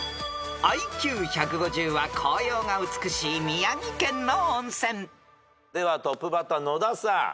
［ＩＱ１５０は紅葉が美しい宮城県の温泉］ではトップバッター野田さん。